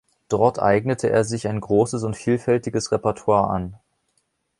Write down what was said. Dort eignete er sich ein großes und vielfältiges Repertoire an.